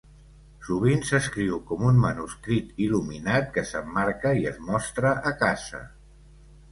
Sovint s'escriu com un manuscrit il·luminat que s'emmarca i es mostra a casa.